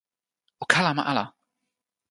o kalama ala!